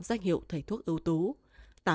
danh hiệu thầy thuốc ưu tú